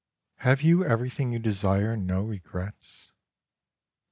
Have you everything you desire and no regrets?